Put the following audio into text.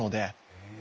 へえ。